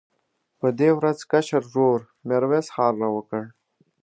په دې ورځ کشر ورور میرویس حال راوکړ.